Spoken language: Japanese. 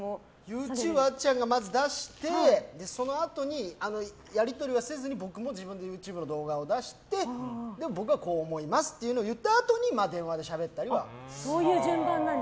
ＹｏｕＴｕｂｅあっちゃんがまず出してそのあとに、やり取りはせずに僕も自分でＹｏｕＴｕｂｅの動画を出して僕はこう思いますと言ったあとに電話でしゃべったりは。